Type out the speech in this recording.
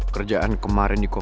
kerjaan kemarin di coffey's